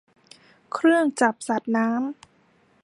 เครื่องจับสัตว์น้ำ